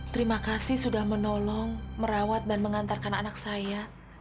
terima kasih sudah menolong merawat dan mengantarkan anak saya